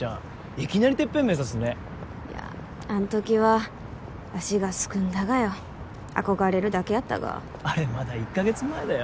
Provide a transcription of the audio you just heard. いきなりテッペン目指すねいやあん時は足がすくんだがよ憧れるだけやったがあれまだ１カ月前だよ